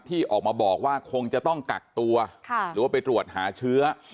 ที่ออกมาบอกว่าคงจะต้องกักตัวหรือว่าไปตรวจหาเชื้อ